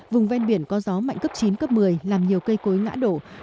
vùng ven biển có gió mạnh cấp chín cấp một mươi làm nhiều cây cối ngã đổ